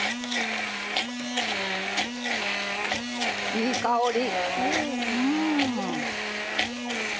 いい香り！